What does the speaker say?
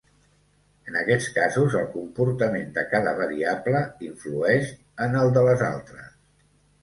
En aquests casos, el comportament de cada variable influeix en el de les altres.